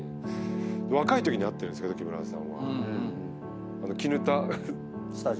若いときに会ってるんですけど木村さんは。